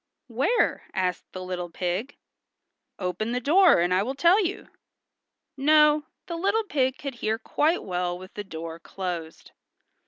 "Where?" asked the little pig. "Open the door and I will tell you." No, the little pig could hear quite well with the door closed.